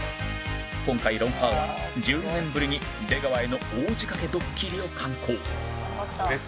今回『ロンハー』は１４年ぶりに出川への大仕掛けドッキリを敢行